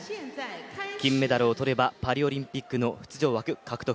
金メダルをとればパリオリンピックの出場枠獲得。